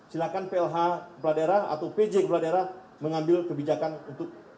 silakan plh kepala daerah atau pj kepala daerah mengambil kebijakan untuk